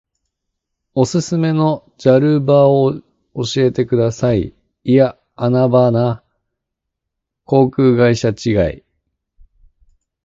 おすすめのジャル場を教えてください。いやアナ場な。航空会社違い。